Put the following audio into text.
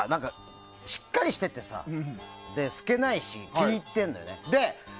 しっかりしててさ透けないし気に入ってんのよね。